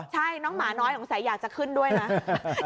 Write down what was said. ใช่น้องหมาน้อยสงสัยอยากจะขึ้นด้วยนะ